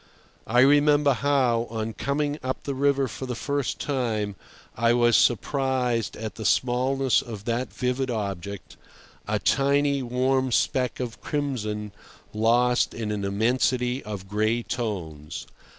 I remember how, on coming up the river for the first time, I was surprised at the smallness of that vivid object—a tiny warm speck of crimson lost in an immensity of gray tones.